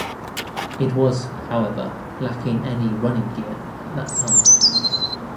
It was however lacking any running gear at that time.